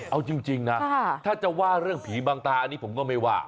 เอาจริงนะถ้าจะว่าเรื่องผีบางตาอันนี้ผมก็ไม่ว่า